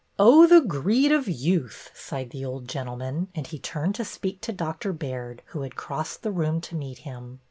'' Oh, the greed of youth !" sighed the old gentleman, and he turned to speak to Dr. Baird, who had crossed the room to meet him.